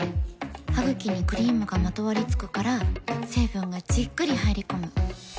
ハグキにクリームがまとわりつくから成分がじっくり入り込む。